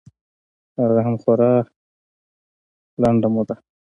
هغه هم خورا لنډه موده.